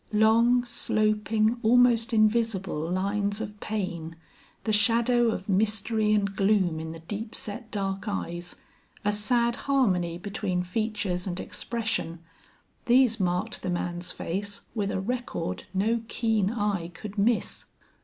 Long, sloping, almost invisible lines of pain, the shadow of mystery and gloom in the deep set, dark eyes, a sad harmony between features and expression, these marked the man's face with a record no keen eye could miss.